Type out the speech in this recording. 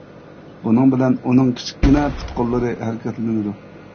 بۇنىڭ بىلەن ئۇنىڭ كىچىككىنە پۇت-قوللىرى ھەرىكەتلىنىدۇ.